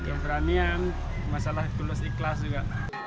keberanian masalah tulus ikhlas juga